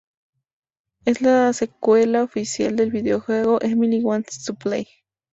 Es la secuela oficial del videojuego "Emily Wants to Play".